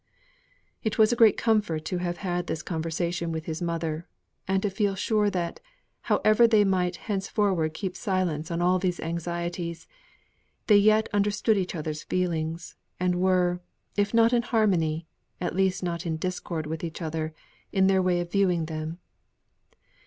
It was a great comfort to have had this conversation with his mother; and to feel sure that, however they might henceforward keep silence on all these anxieties, they yet understood each other's feelings, and were, if not in harmony, at least in discord with each other, in their way of viewing them.